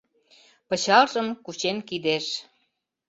Пычалжым кучен кидеш